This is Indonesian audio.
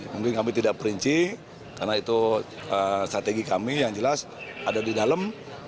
mungkin kami tidak perinci karena itu strategi kami yang jelas ada di dalam